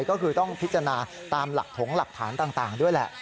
ก็คือต้องพิจารณาตามหลักถงหลักฐานต่างด้วยแหละ